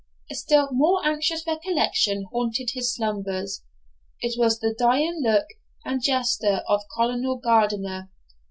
A still more anxious recollection haunted his slumbers it was the dying look and gesture of Colonel Gardiner.